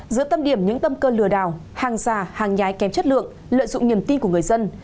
giữa tâm điểm những tâm cơ lừa đảo hàng già hàng nhái kém chất lượng lợi dụng niềm tin của người dân